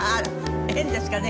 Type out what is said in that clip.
変ですかね？